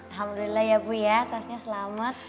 alhamdulillah ya bu ya tasnya selamat